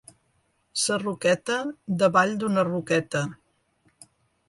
Sarroqueta, davall d'una roqueta.